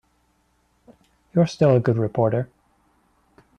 You're still a good reporter.